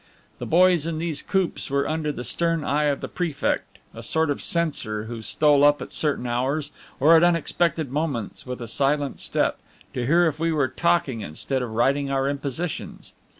The boys in these coops were under the stern eye of the prefect, a sort of censor who stole up at certain hours, or at unexpected moments, with a silent step, to hear if we were talking instead of writing our impositions.